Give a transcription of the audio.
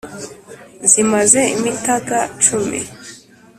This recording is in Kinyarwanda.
zimaze imitaga cumi